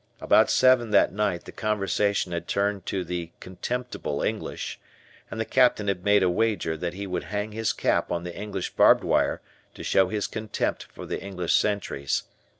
About seven that night the conversation had turned to the "contemptible" English, and the Captain had made a wager that he would hang his cap on the English barbed wire to show his contempt for the English sentries.